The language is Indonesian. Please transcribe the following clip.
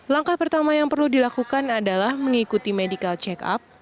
langkah pertama yang perlu dilakukan adalah mengikuti medical check up